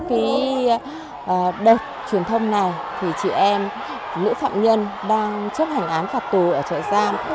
khi đợt truyền thông này chị em nữ phạm nhân đang chấp hành án phạt tù ở trại giam